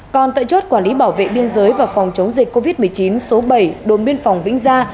còn tại chốt quản lý bảo vệ biên giới và phòng chống dịch covid một mươi chín số bảy đồn biên phòng vĩnh gia